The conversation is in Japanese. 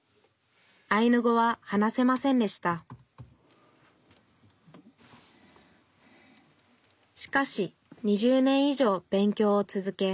アイヌ語は話せませんでしたしかし２０年以上勉強を続け